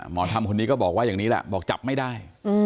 หมอธรรมคนนี้ก็บอกว่าอย่างนี้แหละบอกจับไม่ได้